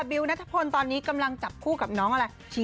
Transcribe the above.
วิวนัทพลตอนนี้กำลังจับคู่กับน้องอะไร